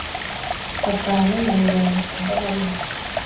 atanu na mirongo icyenda na rimwe